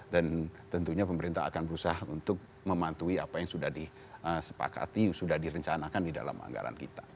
dan tentunya pemerintah akan berusaha untuk memantui apa yang sudah disepakati sudah direncanakan di dalam anggaran kita